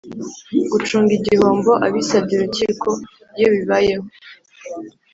gucunga igihombo abisabye urukiko iyo bibayeho